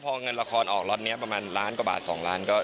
พอเงินละครออกล็อตนี้ประมาณล้านกว่าบาท๒ล้านก็